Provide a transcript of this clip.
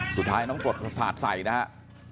สุดท้ายน้ำโกรธก็สาดใส่นะครับ